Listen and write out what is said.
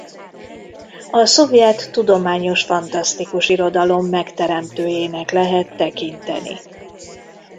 A szovjet tudományos-fantasztikus irodalom megteremtőjének lehet tekinteni.